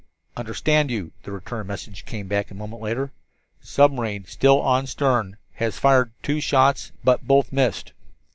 "Understand you," the return message came back a moment later. "Submarine still on stern. Has fired two shots, but both missed."